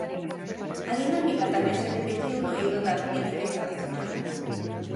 A dinámica tamén se repetiu no eido da política internacional.